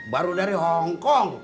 baru dari hongkong